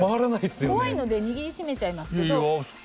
怖いので握りしめちゃいますけど。